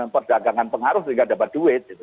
perdagangan pengaruh sehingga dapat duit gitu